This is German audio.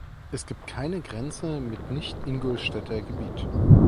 Es gibt keine Grenze mit nicht-Ingolstädter Gebiet.